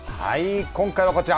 今回はこちら。